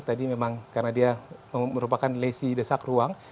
tadi memang karena dia merupakan lesi desak ruang